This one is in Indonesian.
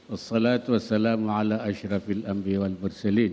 wassalatu wassalamu ala ashrafil anbi wal bersalin